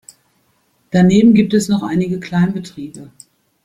Daneben gibt es noch einige Kleinbetriebe.